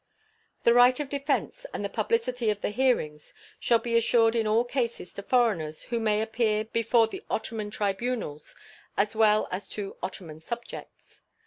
The right of defense and the publicity of the hearings shall be assured in all cases to foreigners who may appear before the Ottoman tribunals, as well as to Ottoman subjects.